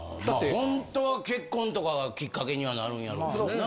本当は結婚とかがきっかけにはなるんやろうけどな。